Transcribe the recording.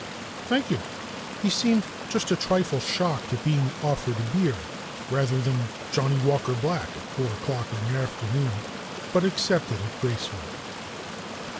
Thank you." He seemed just a trifle shocked at being offered beer rather than Johnny Walker Black at four o'clock in the afternoon, but accepted gracefully.